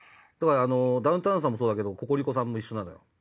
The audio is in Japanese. ダウンタウンさんもそうだけどココリコさんも一緒なのよ。